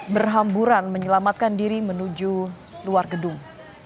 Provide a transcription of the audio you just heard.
berhamburan menyelamatkan diri menuju luar gedung